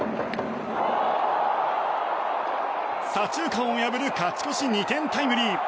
左中間を破る勝ち越し２点タイムリー。